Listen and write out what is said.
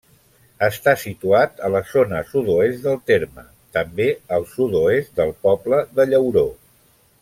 Està situat a la zona sud-oest del terme, també al sud-oest del poble de Llauró.